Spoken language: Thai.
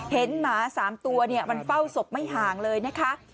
หมา๓ตัวมันเฝ้าศพไม่ห่างเลยนะคะ